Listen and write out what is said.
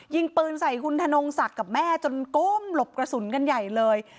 ยิงปืนใส่คุณธนงศักดิ์กับแม่จนก้มหลบกระสุนกันใหญ่เลย